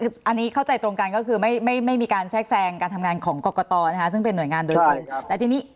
ดังนั้นก็ต้องปล่อยเข้าไปบุญการไปก็จะไม่แทรกแทรงอะไร